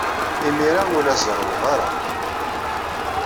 Imir-a, ur la zerrweɣ ara.